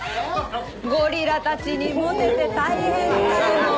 ゴリラたちにモテて大変だね